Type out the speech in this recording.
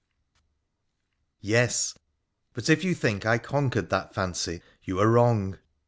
Yes ; but if you think I conquered that fancy, you are wrong.